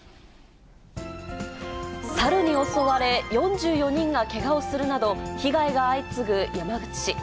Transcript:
猿に襲われ、４４人がけがをするなど、被害が相次ぐ山口市。